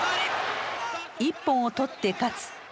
一本を取って勝つ。